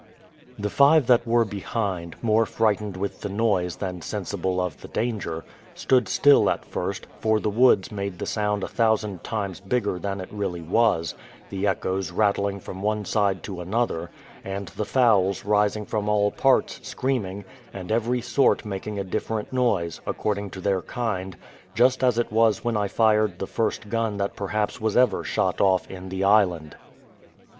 The five that were behind, more frightened with the noise than sensible of the danger, stood still at first; for the woods made the sound a thousand times bigger than it really was, the echoes rattling from one side to another, and the fowls rising from all parts, screaming, and every sort making a different noise, according to their kind; just as it was when I fired the first gun that perhaps was ever shot off in the island.